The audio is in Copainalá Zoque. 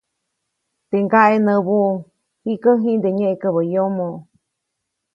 Teʼ ŋgaʼe näbuʼuŋ -jikä jiʼndeʼe nyeʼkäbä yomo-.